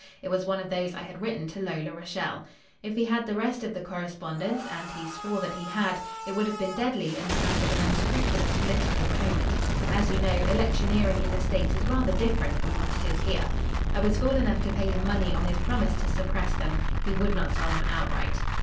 It was one of those I had written to Lola Rachael. If he had the rest of the correspondence and he swore that he had it would have been deadly in the hands of an unscrupulous political opponent. As you know, electioneering in the States is rather different from what it is here. I was fool enough to pay him money on his promise to suppress them. He would not sell them outright.